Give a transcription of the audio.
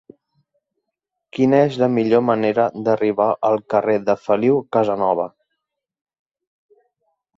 Quina és la millor manera d'arribar al carrer de Feliu Casanova?